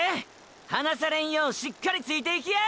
離されんようしっかりついていきや！！